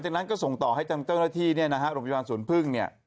จากนั้นก็ส่งต่อให้เทิงเต้นที่นะฮะโรงพิวันสวนพึ่งเนี่ย